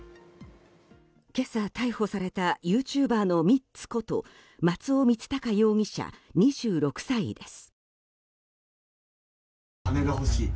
今朝、逮捕されたユーチューバーのミッツこと松尾光高容疑者、２６歳です。